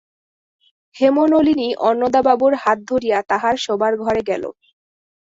হেমনলিনী অন্নদাবাবুর হাত ধরিয়া তাহার শোবার ঘরে গেল।